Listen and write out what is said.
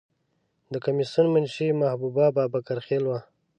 د کمیسیون منشی محبوبه بابکر خیل وه.